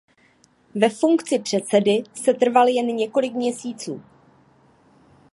Ve funkci předsedy setrval jen několik měsíců.